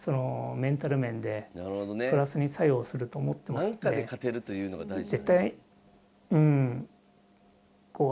なんかで勝てるというのが大事なんだ。